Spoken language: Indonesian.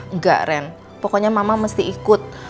enggak ren pokoknya mama mesti ikut